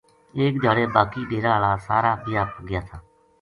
ایک دھیاڑے باقی ڈیرا ہالا سارا بیاہ پو گیا تھا